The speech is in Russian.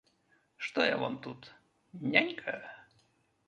Что я Вам тут, нянька?